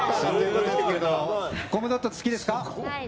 コムドット、好きですか？